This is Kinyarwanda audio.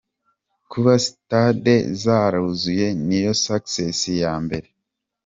Kuba Stade zaruzuye niyo success ya mbere.